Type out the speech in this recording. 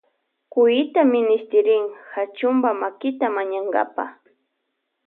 Cuyta minishtirin Kachunpa makita mañankapa.